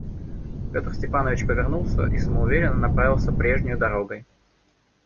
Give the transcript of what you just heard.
Петр Степанович повернулся и самоуверенно направился прежнею дорогой.